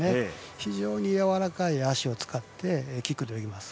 非常にやわらかい足を使ってキックで泳ぎます。